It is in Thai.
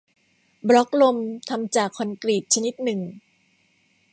บล็อกลมทำจากคอนกรีตชนิดหนึ่ง